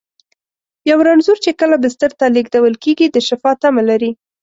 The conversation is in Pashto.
یو رنځور چې کله بستر ته لېږدول کېږي، د شفا تمه لري.